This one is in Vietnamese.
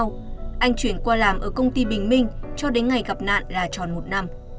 sau anh chuyển qua làm ở công ty bình minh cho đến ngày gặp nạn là tròn một năm